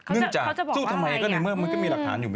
ซึ่งจะสู้ทีดูว่ามันก็มีหลักฐานอยู่